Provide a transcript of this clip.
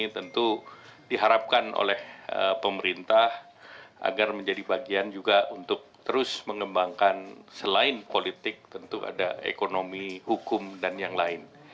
tentu diharapkan oleh pemerintah agar menjadi bagian juga untuk terus mengembangkan selain politik tentu ada ekonomi hukum dan yang lain